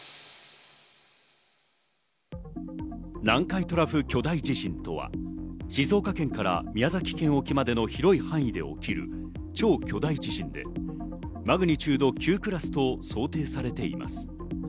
南海トラフ巨大地震とは、静岡県から宮崎県沖までの広い範囲で起きる超巨大地震で、マグニチュード９クラスと想定されています。